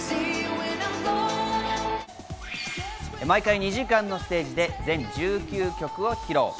毎回２時間のステージで全１９曲を披露。